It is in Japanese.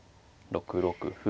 ６六歩。